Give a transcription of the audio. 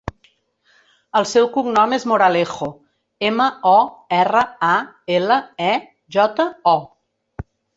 El seu cognom és Moralejo: ema, o, erra, a, ela, e, jota, o.